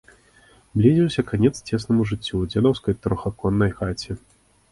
Блізіўся канец цеснаму жыццю ў дзедаўскай трохаконнай хаце.